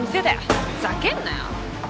ふざけんなよ！